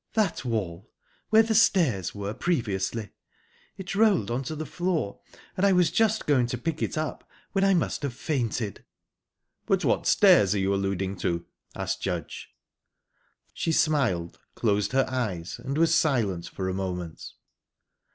"That wall. Where the stairs were previously. It rolled on to the floor, and I was just going to pick it up when I must have fainted." "But what stairs are you alluding to?" asked Judge. She smiled, closed her eyes, and was silent for a moment.